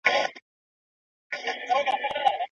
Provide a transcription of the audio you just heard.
کورنی ژوند به خراب نسي.